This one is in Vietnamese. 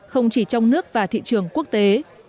không chỉ trong nước và thị trường quốc tế